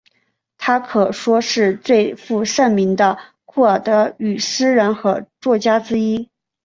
她可说是最负盛名的库尔德语诗人和作家之一。